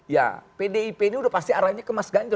ya pdip ini udah pasti arahnya ke mas ganjar